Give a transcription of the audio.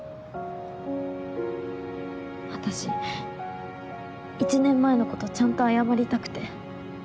私１年前のことちゃんと謝りたくて。